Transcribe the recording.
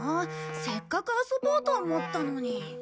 せっかく遊ぼうと思ったのに。